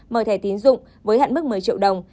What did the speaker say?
mở thẻ tiến dụng với hạn mức một mươi triệu đồng